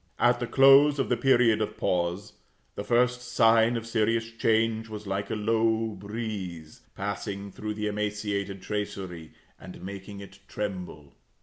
At the close of the period of pause, the first sign of serious change was like a low breeze, passing through the emaciated tracery, and making it tremble.